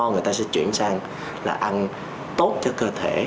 người ta sẽ chuyển sang là ăn tốt cho cơ thể